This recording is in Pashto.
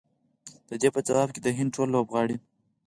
د دې په ځواب کې د هند ټول لوبغاړي